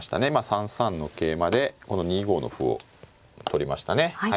３三の桂馬でこの２五の歩を取りましたね。